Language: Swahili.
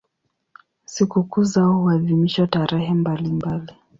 Sikukuu zao huadhimishwa tarehe mbalimbali.